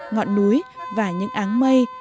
ngọn núi và những áng mây